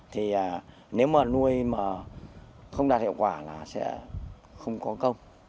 thì nếu mà nuôi mà không đạt hiệu quả là sẽ không có công